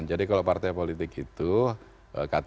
jadi kalau partai politik itu kta nya harus satu